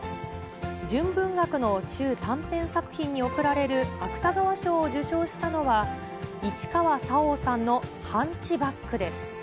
純文学の中短編作品に贈られる芥川賞を受賞したのは、市川沙央さんのハンチバックです。